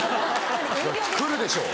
来るでしょ。